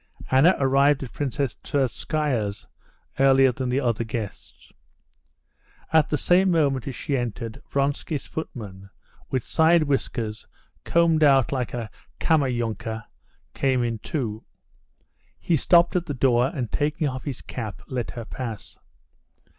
Anna arrived at Princess Tverskaya's earlier than the other guests. At the same moment as she entered, Vronsky's footman, with side whiskers combed out like a Kammerjunker, went in too. He stopped at the door, and, taking off his cap, let her pass.